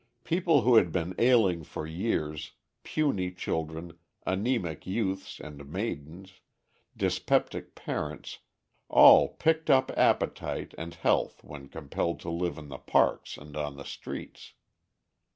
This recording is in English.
People who had been ailing for years, puny children, anæmic youths and maidens, dyspeptic parents, all "picked up" appetite and health when compelled to live in the parks and on the streets.